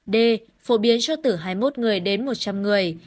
d phổ biến cho từ hai mươi một người đến một trăm linh người